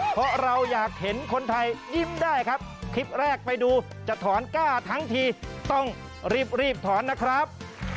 เพราะเราอยากเห็นคนไทยยิ้มได้ครับคลิปแรกไปดูจะถอนก้าทั้งทีต้องรีบรีบถอนนะครับ